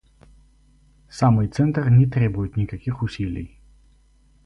Самый центр не требует никаких усилий.